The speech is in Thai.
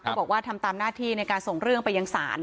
บอกว่าทำตามหน้าที่ในการส่งเรื่องไปยังศาล